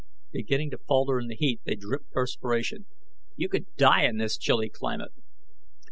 Beginning to falter in the heat, they dripped perspiration. "You could die in this chilly climate."